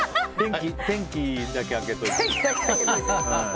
天気だけあけておいて。